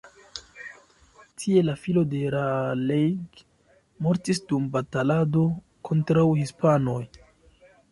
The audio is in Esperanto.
Tie la filo de Raleigh mortis dum batalado kontraŭ hispanoj.